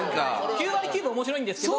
９割９分おもしろいんですけど。